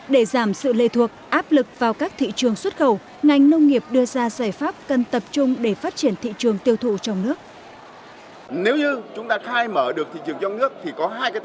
để giảm sự lây thuộc áp lực vào các thị trường xuất khẩu ngành nông nghiệp đưa ra giải pháp cần tập trung để phát triển thị trường tiêu thụ trong nước